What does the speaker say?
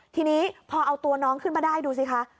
ทีนี้พอเอาตัวน้องขึ้นมาได้ดูสิคะ